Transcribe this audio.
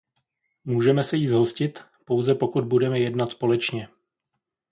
Můžeme se jí zhostit, pouze pokud budeme jednat společně.